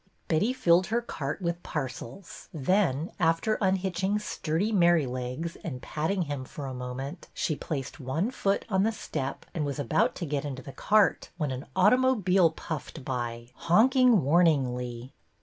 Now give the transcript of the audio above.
Betty filled her cart with parcels, then, after unhitching sturdy Merrylegs and patting him for a moment, she placed one foot on the step, and was about to get into the cart, when an auto mobile puffed by, honking warningly.